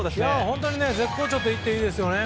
本当に絶好調といっていいですよね。